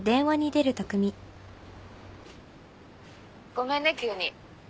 ごめんね急に。